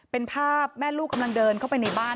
เป็นภาพแม่ลูกกำลังเดินเข้าไปในบ้าน